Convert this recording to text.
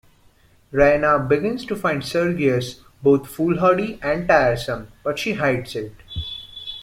Raina begins to find Sergius both foolhardy and tiresome, but she hides it.